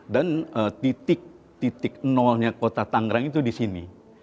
dan titik titik nolnya kota tangrang itu disini